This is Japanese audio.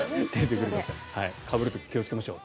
かぶる時気をつけましょう。